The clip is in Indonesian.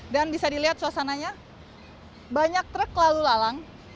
bisa dilihat suasananya banyak truk lalu lalang